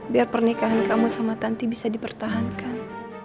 biar pernikahan kamu sama tante bisa dipertahankan